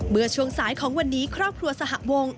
เมื่อช่วงสายของวันนี้ครอบครัวสหวง